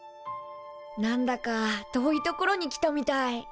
なんだか遠い所に来たみたい。